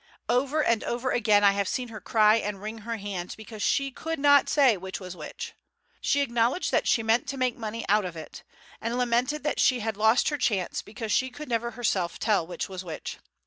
Over and over again I have seen her cry and wring her hands because she could not say which was which. She acknowledged that she meant to make money out of it, and lamented that she had lost her chance because she could never herself tell which was which.